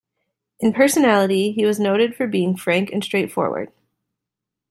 In personality he was noted for being frank and straightforward.